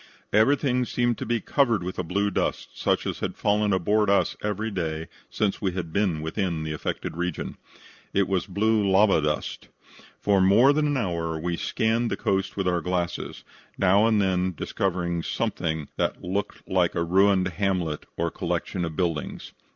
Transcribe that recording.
"Everything seemed to be covered with a blue dust, such as had fallen aboard us every day since we had been within the affected region. It was blue lava dust. For more than an hour we scanned the coast with our glasses, now and then discovering something that looked like a ruined hamlet or collection of buildings.